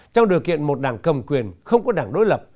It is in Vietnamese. trong điều kiện một đảng cầm quyền không có đảng đối lập